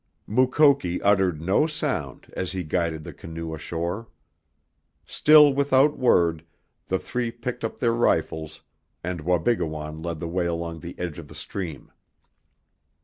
Mukoki uttered no sound as he guided the canoe ashore. Still without word, the three picked up their rifles and Wabigoon led the way along the edge of the stream.